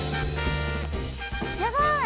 やばい！